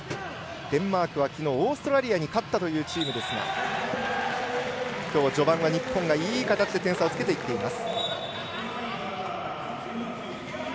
デンマークはきのうオーストラリアに勝ったというチームですがきょう序盤は日本がいい形で点差をつけてきています。